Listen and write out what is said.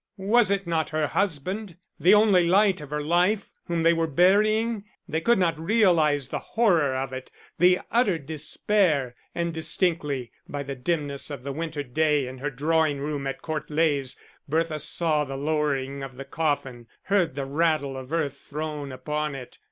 Was it not her husband, the only light of her life, whom they were burying? They could not realise the horror of it, the utter despair. And distinctly, by the dimness of the winter day in her drawing room at Court Leys, Bertha saw the lowering of the coffin, heard the rattle of earth thrown upon it.